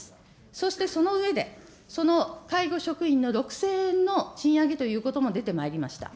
そしてその上で、その介護職員の６０００円の賃上げということも出てまいりました。